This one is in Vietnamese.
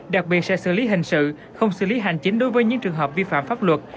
đặc biệt sẽ xử lý hình sự không xử lý hành chính đối với những trường hợp vi phạm pháp luật